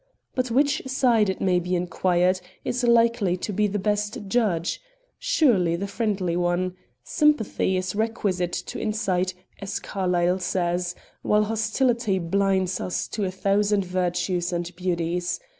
But which side, it may be inquired, is likely to be the best judge? Surely the friendly one. Sympathy is requisite to insight, as Carlyle says; while hostility blinds us to a thousand virtues and beauties.